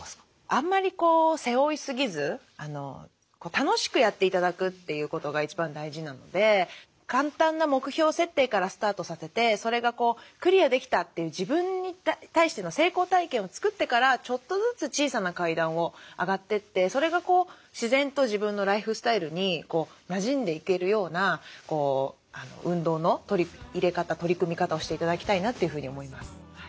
あんまり背負い過ぎず楽しくやって頂くということが一番大事なので簡単な目標設定からスタートさせてそれがクリアできたっていう自分に対しての成功体験を作ってからちょっとずつ小さな階段を上がってってそれが自然と自分のライフスタイルになじんでいけるような運動の取り入れ方取り組み方をして頂きたいなというふうに思います。